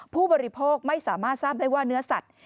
ผู้บริโภคไม่สามารถทราบได้ว่าเนื้อสัตว์